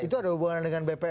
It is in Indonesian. itu ada hubungan dengan bpn dua